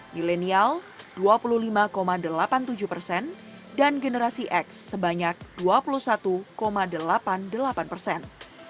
milenial dua puluh lima delapan puluh tujuh persen dan generasi x sebanyak dua puluh satu delapan puluh delapan persen